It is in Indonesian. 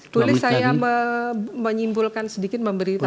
boleh saya menyimpulkan sedikit memberi tambahan